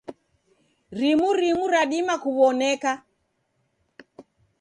Rimu rimu radima kuw'oneka.